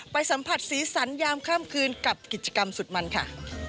สัมผัสสีสันยามค่ำคืนกับกิจกรรมสุดมันค่ะ